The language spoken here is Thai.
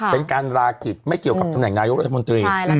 เป็นการรากิจไม่เกี่ยวกับตำแหน่งนายกรัฐมนตรี